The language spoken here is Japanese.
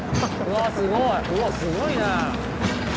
うわすごいなあ！